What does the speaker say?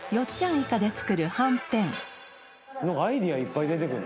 イカで作るはんぺん